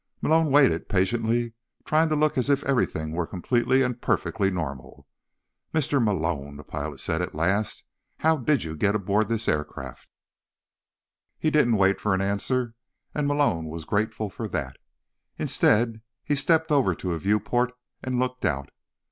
Malone waited patiently, trying to look as if everything were completely and perfectly normal. "Mr. Malone," the pilot said at last, "how did you get aboard this aircraft?" He didn't wait for an answer, and Malone was grateful for that. Instead, he stepped over to a viewport and looked out.